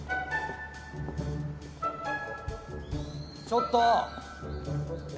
ちょっと。